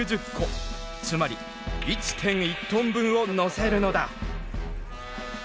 つまり１．１ｔ分をのせるのだ。